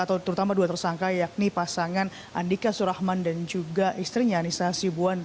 atau terutama dua tersangka yakni pasangan andika surahman dan juga istrinya anissa hasibuan